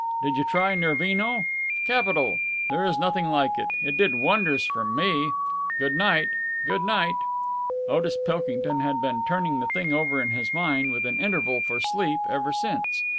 Did you try Nervino? Capital! There's nothing like it. It did wonders for me! Good night, good night!" Otis Pilkington had been turning the thing over in his mind, with an interval for sleep, ever since.